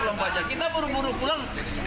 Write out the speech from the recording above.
berapa dua puluh empat jam kita buru buru pulang